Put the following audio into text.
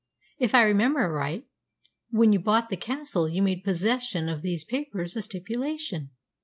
If I remember aright, when you bought the castle you made possession of these papers a stipulation."